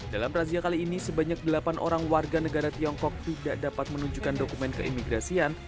dalam razia kali ini sebanyak delapan orang warga negara tiongkok tidak dapat menunjukkan dokumen keimigrasian